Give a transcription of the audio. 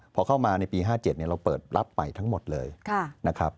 พอเข้ามาในปี๕๗เราเปิดรับไปทั้งหมดเลยนะครับ